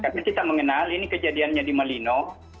karena kita mengenal ini kejadiannya di melino